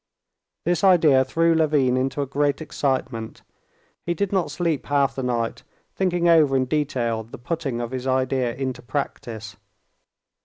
This idea threw Levin into a great excitement. He did not sleep half the night, thinking over in detail the putting of his idea into practice.